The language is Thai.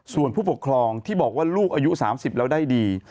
ส่วนผู้ปกครองที่บอกว่าลูกอายุ๓๐แล้วได้ดี